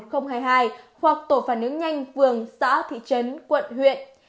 hoặc tổ phản ứng nhanh phường xã thị trấn quận huyện